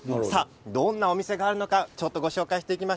どんなお店があるのかご紹介していきます。